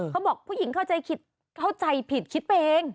เขาบอกผู้หญิงเข้าใจผิดคิดไปเอง